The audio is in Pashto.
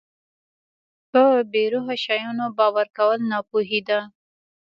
په بې روحه شیانو باور کول ناپوهي ده.